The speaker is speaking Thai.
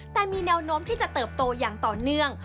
แต่มีแนวโน้มที่จะเติบโตอย่างต่อเนื่อง